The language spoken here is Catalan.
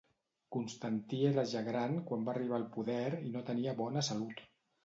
Constantí era ja gran quan va arribar al poder i no tenia bona salut.